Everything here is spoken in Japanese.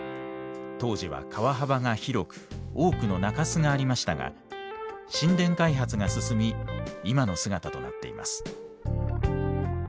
当時は川幅が広く多くの中州がありましたが新田開発が進み今の姿となっています。